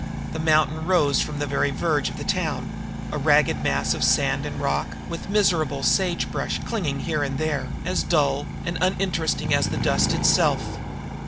The mountain rose from the very verge of the town, a ragged mass of sand and rock, with miserable sagebrush clinging here and there, as dull and uninteresting as the dust itself.